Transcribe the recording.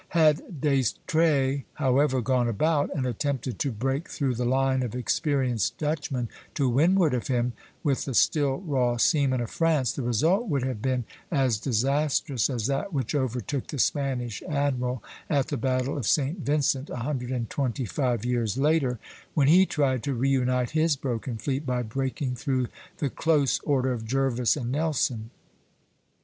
Had D'Estrées, however, gone about, and attempted to break through the line of experienced Dutchmen to windward of him with the still raw seamen of France, the result would have been as disastrous as that which overtook the Spanish admiral at the battle of St. Vincent a hundred and twenty five years later, when he tried to reunite his broken fleet by breaking through the close order of Jervis and Nelson.